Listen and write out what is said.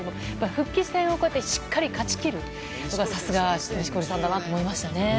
復帰戦をしっかり勝ち切るのがさすが錦織さんだと思いました。